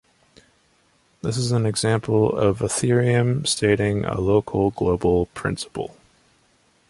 This is an example of a theorem stating a local-global principle.